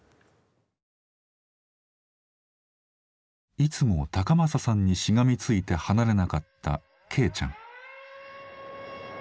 いつも孝眞さんにしがみついて離れなかった恵ちゃん。